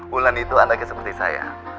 bulan itu anaknya seperti saya